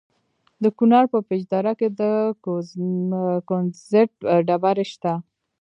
د کونړ په پيچ دره کې د کونزیټ ډبرې شته.